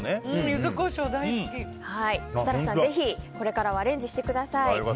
設楽さん、ぜひこれからはアレンジしてください。